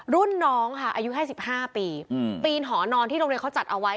รุ่นน้องค่ะอายุ๕๕ปีปีนหอนอนที่โรงเรียนเขาจัดเอาไว้